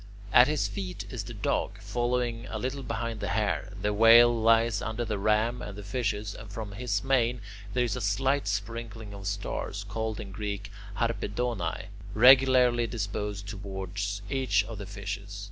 At his feet is the Dog, following a little behind the Hare. The Whale lies under the Ram and the Fishes, and from his mane there is a slight sprinkling of stars, called in Greek [Greek: harpedonai], regularly disposed towards each of the Fishes.